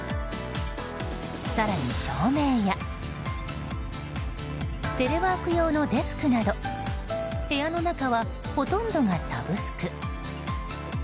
更に照明やテレワーク用のデスクなど部屋の中は、ほとんどがサブスク。